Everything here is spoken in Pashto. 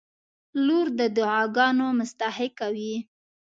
• لور د دعاګانو مستحقه وي.